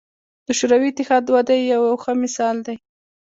د شوروي اتحاد وده یې یو ښه مثال دی.